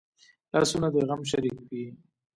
لاسونه د غم شریک وي